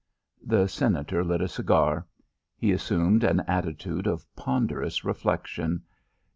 The Senator lit a cigar. He assumed an attitude of ponderous reflection.